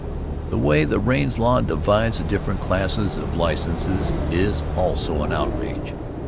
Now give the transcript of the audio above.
The way the Raines law divides the different classes of licenses is also an outrage.